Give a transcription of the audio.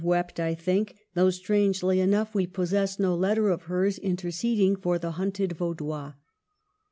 2/1 wept, I think; though, strangely enough, we possess no letter of hers interceding for the hunted Vaudois.